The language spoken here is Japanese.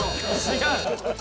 違う。